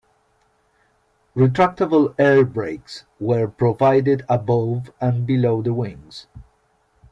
Retractable airbrakes were provided above and below the wings.